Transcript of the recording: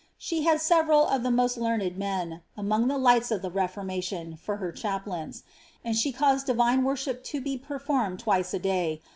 She had several of the most learned men, among the lights of the Reformation, for her chap lains ;' and she caused divine worship to be performed twice a day.